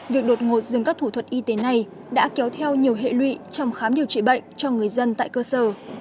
việc đột ngột dừng các thủ thuật y tế này đã kéo theo nhiều hệ lụy trong khám điều trị bệnh cho người dân tại cơ sở